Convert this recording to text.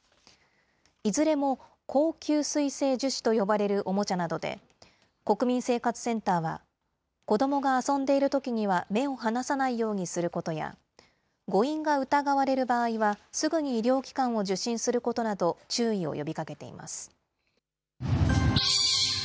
いずれも高吸水性樹脂と呼ばれるおもちゃなどで、国民生活センターは、子どもが遊んでいるときには目を離さないようにすることや、誤飲が疑われる場合は、すぐに医療機関を受診することなど、注意を呼びかけています。